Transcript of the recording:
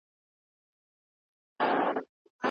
پلار باید د ماشومانو لپاره وخت پیدا کړي.